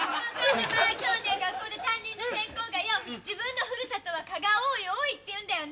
今日ね学校で担任のセンコーがよ自分のふるさとは蚊が多い多いって言うんだよな。